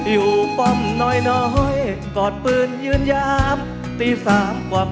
อยู่ความเชื่อแยกดินแบ่งความ